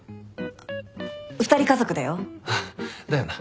あっ２人家族だよ。だよな。